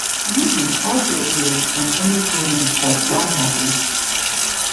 Wootton also appears on some recordings by Slapp Happy.